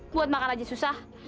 buat makan aja susah